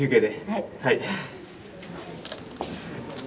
はい。